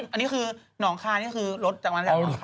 อันนี้คือหนองคายนี่คือรถจากวันแรกหนองคาย